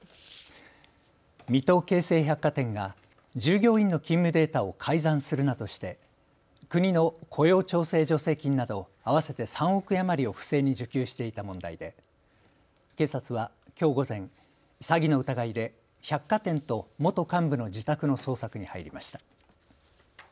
水戸京成百貨店が従業員の勤務データを改ざんするなどして国の雇用調整助成金など合わせて３億円余りを不正に受給していた問題で警察はきょう午前、詐欺の疑いで百貨店と元幹部の自宅の捜索に入りました。